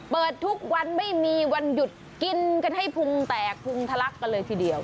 เปิดทุกวันไม่มีวันหยุดกินกันให้พุงแตกพุงทะลักกันเลยทีเดียว